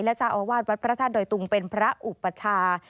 เจ้าอาวาสวัดพระธาตุดอยตุงเป็นพระอุปชา